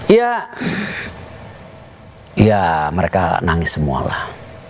ya mereka nangis semualah